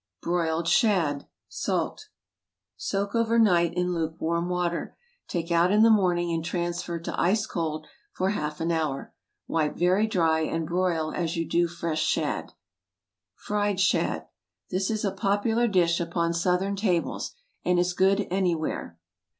BROILED SHAD. (Salt.) Soak over night in lukewarm water. Take out in the morning and transfer to ice cold for half an hour. Wipe very dry, and broil as you do fresh shad. FRIED SHAD. This is a popular dish upon Southern tables, and is good anywhere.